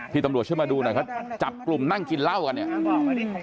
ตำรวจช่วยมาดูหน่อยเขาจับกลุ่มนั่งกินเหล้ากันเนี่ย